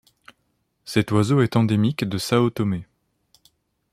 Cet oiseau est endémique de São Tomé.